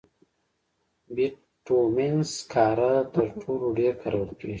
بټومینس سکاره تر ټولو ډېر کارول کېږي.